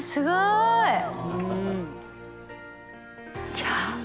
じゃあ。）